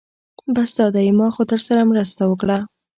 بس دا دی ما خو درسره مرسته وکړه.